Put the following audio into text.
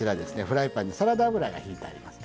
フライパンにサラダ油がひいてあります。